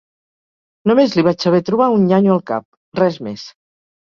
Només li vaig saber trobar un nyanyo al cap. Res més.